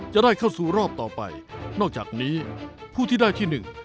จะได้เข้าสู่รอบต่อไปนอกจากนี้ผู้ที่ได้ที่หนึ่ง